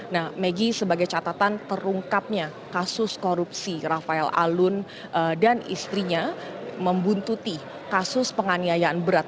nah maggie sebagai catatan terungkapnya kasus korupsi rafael alun dan istrinya membuntuti kasus penganiayaan berat